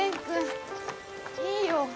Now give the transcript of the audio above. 君いいよ